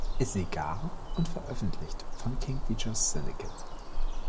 Segar und veröffentlicht von King Features Syndicate.